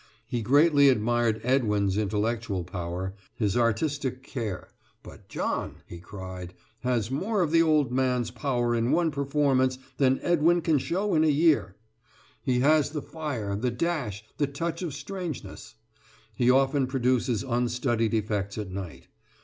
He greatly admired Edwin's intellectual power, his artistic care; but "John," he cried, "has more of the old man's power in one performance than Edwin can show in a year. He has the fire, the dash, the touch of strangeness. He often produces unstudied effects at night.